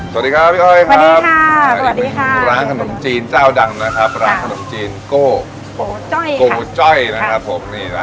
สวัสดีครับพี่อ้อยครับ